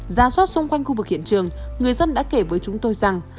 ra soát xung quanh khu vực hiện trường người dân đã kể với chúng tôi rằng